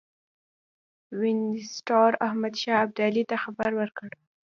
وینسیټار احمدشاه ابدالي ته خبر ورکړ.